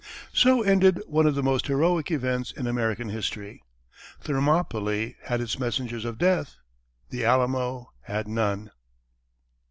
So ended one of the most heroic events in American history. "Thermopylae had its messengers of death; The Alamo had none."